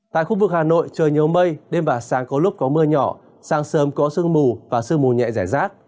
tại khu vực hà nội trời nhiều mây đêm và sáng có lúc có mưa nhỏ sáng sớm có sương mù và sương mù nhẹ rải rác